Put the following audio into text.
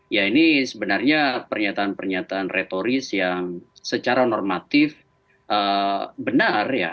ya ini sebenarnya pernyataan pernyataan retoris yang secara normatif benar ya